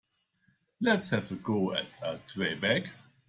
Let's have a go at a tray bake.